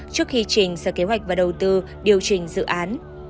trước khi trình sở kế hoạch và đầu tư điều chỉnh dự án